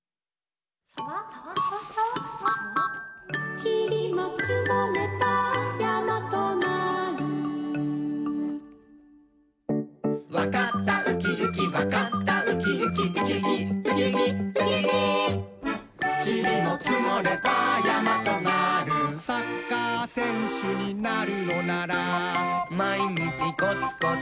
サワサワサワサワちりもつもればやまとなるわかったウキウキわかったウキウキウキウキウキウキウキウキちりもつもればやまとなるサッカーせんしゅになるのならまいにちコツコツ！